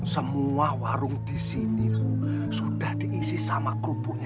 semua warung di sini sudah diisi sama kerupuknya